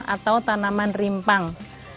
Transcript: atau tanaman rimpang